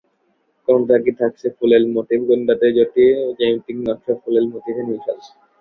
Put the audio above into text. কোনোটাতে থাকছে ফুলেল মোটিফ, কোনোটাতে জ্যামিতিক নকশা ও ফুলেল মোটিফের মিশেল।